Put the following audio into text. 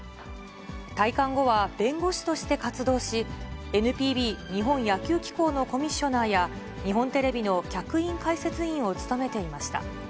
退官後は、弁護士として活動し、ＮＰＢ・日本野球機構のコミッショナーや、日本テレビの客員解説員を務めていました。